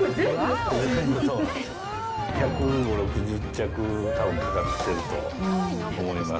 １５０、６０着かかってると思います。